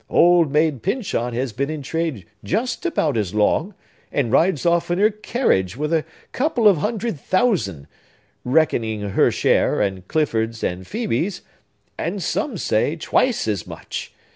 Old Maid Pyncheon has been in trade just about as long, and rides off in her carriage with a couple of hundred thousand,—reckoning her share, and Clifford's, and Phœbe's,—and some say twice as much!